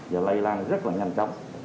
và lây lan rất là nhanh chóng